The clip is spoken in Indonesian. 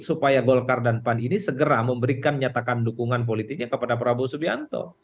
supaya golkar dan pan ini segera memberikan nyatakan dukungan politiknya kepada prabowo subianto